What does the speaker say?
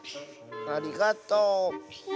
ありがとう。